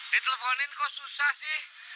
diteleponin kok susah sih